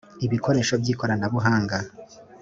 ibikoresho by ikoranabuhanga